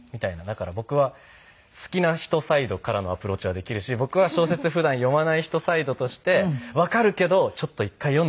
だから僕は好きな人サイドからのアプローチはできるし僕は小説普段読まない人サイドとしてわかるけどちょっと一回読んでみてって。